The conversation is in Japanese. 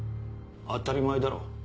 当たり前だろ。